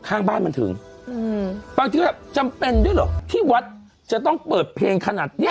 ข้างบ้านมันถึงอืมบางทีแบบจำเป็นด้วยเหรอที่วัดจะต้องเปิดเพลงขนาดเนี้ย